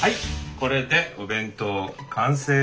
これでお弁当完成です。